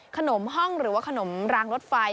ห้องหรือว่าขนมรางรถไฟ